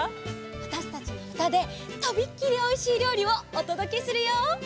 わたしたちのうたでとびっきりおいしいりょうりをおとどけするよ。